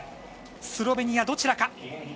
スロベニア、どちらか。